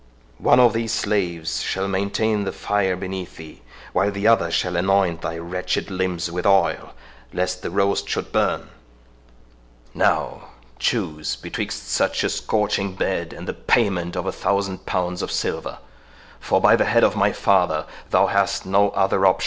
One of these slaves shall maintain the fire beneath thee, while the other shall anoint thy wretched limbs with oil, lest the roast should burn.—Now, choose betwixt such a scorching bed and the payment of a thousand pounds of silver; for, by the head of my father, thou hast no other option."